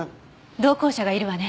同行者がいるわね。